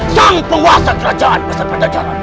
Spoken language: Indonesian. sang penguasa kerajaan besar pancaran